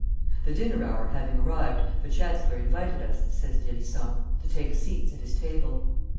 "The dinner hour having arrived, the chancellor invited us," says d'Hérisson, "to take seats at his table.